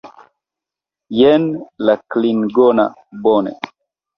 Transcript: Jen la klingona, bone!